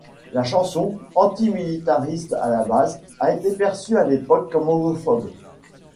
La chanson, antimilitariste à la base, a été perçue à l'époque comme homophobe.